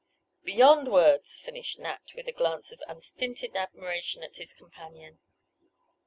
"Beyond words!" finished Nat, with a glance of unstinted admiration at his companion.